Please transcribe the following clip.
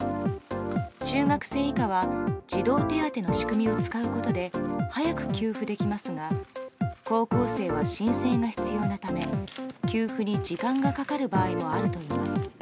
中学生以下は児童手当の仕組みを使うことで早く給付できますが高校生は申請が必要なため給付に時間がかかる場合があるといいます。